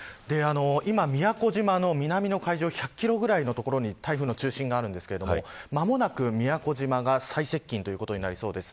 今、宮古島の南の海上１００キロくらいの所に台風の中心があるんですけれども間もなく宮古島が最接近ということになりそうです。